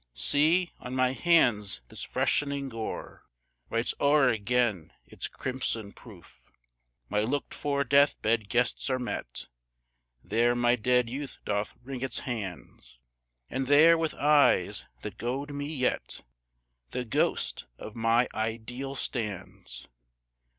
See! on my hands this freshening gore Writes o'er again its crimson proof! My looked for death bed guests are met; There my dead Youth doth wring its hands, And there, with eyes that goad me yet, The ghost of my Ideal stands!